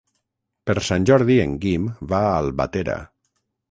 Per Sant Jordi en Guim va a Albatera.